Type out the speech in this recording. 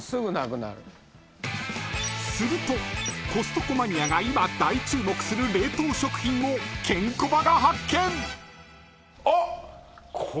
［するとコストコマニアが今大注目する冷凍食品をケンコバが発見］あっ！